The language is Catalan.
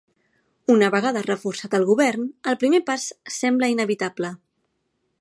Una vegada reforçat el govern, el primer pas sembla inevitable.